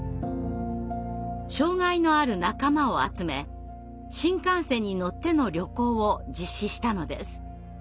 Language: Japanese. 障害のある仲間を集め新幹線に乗っての旅行を実施したのです。